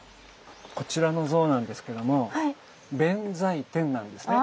こちらの像なんですけども弁財天なんですね。